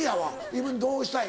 今どうしたい？